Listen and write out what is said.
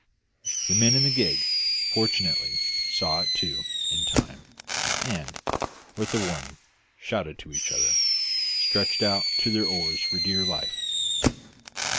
The men in the gig fortunately saw it too in time, and, with a warning shout to each other, stretched out to their oars for dear life.